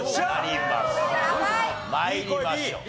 参りましょう。